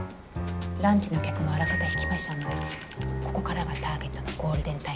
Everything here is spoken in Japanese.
ランチの客もあらかた引きましたのでここからがターゲットのゴールデンタイムかと。